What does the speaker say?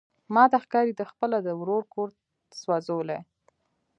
ماته ښکاري ده خپله د ورور کور سوزولی.